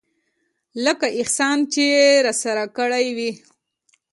لکه احسان چې يې راسره کړى وي.